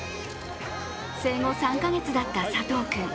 生後３か月だった佐藤君